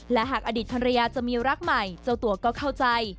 และหากอดีตภรรยาจะมีรักใหม่เจ้าตัวก็เข้าใจ